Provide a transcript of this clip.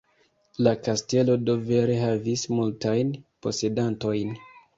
La kastelo do vere havis multajn posedantojn.